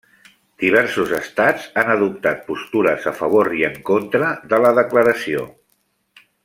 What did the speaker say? Diversos estats han adoptat postures a favor i en contra de la declaració.